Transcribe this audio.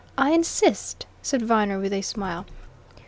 "I insist," said Viner, with a smile.